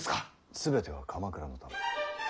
全ては鎌倉のため。